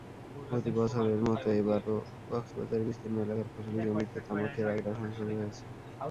প্রতি বছরের মতো এবারও কক্সবাজারের বিস্তীর্ণ এলাকার ফসলি জমিতে তামাকের আগ্রাসন শুরু হয়েছে।